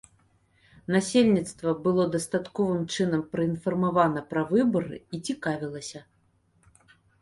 Насельніцтва было дастатковым чынам праінфармавана пра выбары і цікавілася.